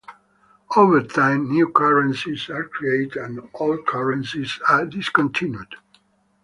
Over time, new currencies are created and old currencies are discontinued.